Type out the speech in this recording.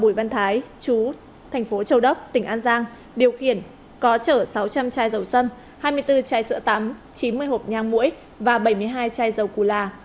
bùi văn thái chú thành phố châu đốc tỉnh an giang điều khiển có chở sáu trăm linh chai dầu xâm hai mươi bốn chai sữa tắm chín mươi hộp nhang mũi và bảy mươi hai chai dầu cù là